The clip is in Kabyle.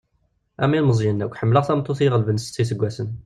Am ilmeẓyen akk, ḥemmleɣ tameṭṭut i yi-ɣelben s setta iseggasen.